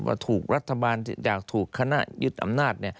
ว่าถูกรัฐบาลจากถูกคณะยึดอำนาจ